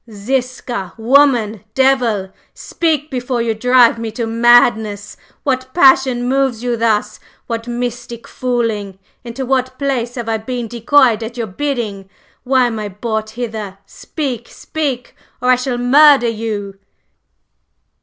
"Ziska! Woman! Devil! Speak before you drive me to madness! What passion moves you thus what mystic fooling? Into what place have I been decoyed at your bidding? Why am I brought hither? Speak, speak! or I shall murder you!"